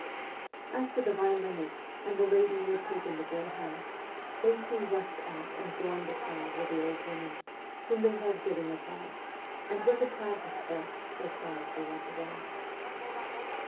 As to the violinist and the lady who had taken the grey house, they too rushed out and joined the crowd with the old woman, whom they heard giving advice, and when the crowd dispersed they quietly went away.